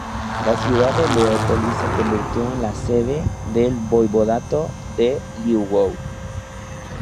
La ciudad de Leópolis se convirtió en la sede del Voivodato de Lwów.